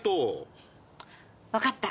分かった。